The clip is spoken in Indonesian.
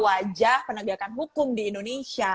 wajah penegakan hukum di indonesia